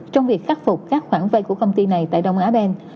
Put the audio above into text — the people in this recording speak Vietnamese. trong việc khắc phục các khoản vây của công ty này tại đồng á bang